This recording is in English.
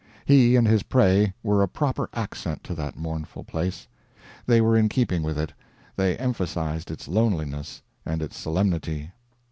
He and his prey were a proper accent to that mournful place. They were in keeping with it, they emphasized its loneliness and its solemnity.